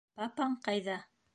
Папаң ҡайҙа?